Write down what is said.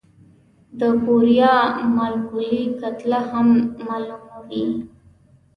د یوریا مالیکولي کتله هم معلومه کړئ.